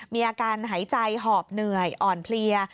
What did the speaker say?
มีอาการหายใจหอบเหนื่อยอ่อนเพลีย